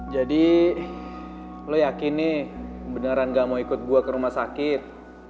jadi lo yakin nih beneran gak mau ikut gue ke rumah sakit